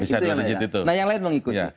bisa dua digit itu